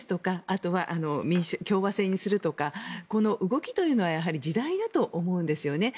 あとは共和制にするとかこの動きというのは時代だと思うんですよね。